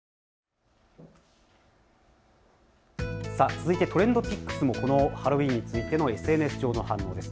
続いてＴｒｅｎｄＰｉｃｋｓもこのハロウィーンについてのＳＮＳ上の反応です。